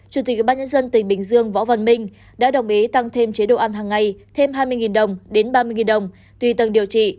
chủ tịch ubnd tỉnh bình dương võ văn minh đã đồng ý tăng thêm chế độ ăn hàng ngày thêm hai mươi đồng đến ba mươi đồng tùy tầng điều trị